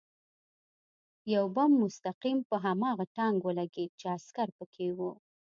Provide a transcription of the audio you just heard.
یو بم مستقیم په هماغه ټانک ولګېد چې عسکر پکې و